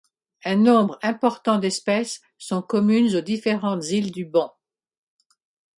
Un nombre important d'espèce sont communes aux différentes îles du banc.